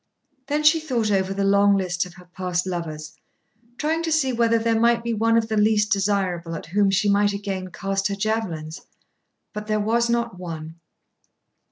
Then she thought over the long list of her past lovers, trying to see whether there might be one of the least desirable at whom she might again cast her javelins. But there was not one.